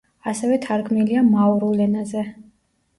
ასევე თარგმნილია მაორულ ენაზე.